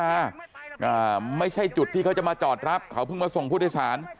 อ่าไม่ใช่จุดที่เขาจะมาจอดรับเขาเพิ่งมาส่งผู้โดยสาร